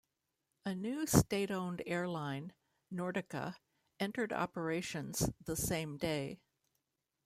A new state-owned airline, Nordica, entered operations the same day.